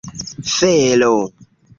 felo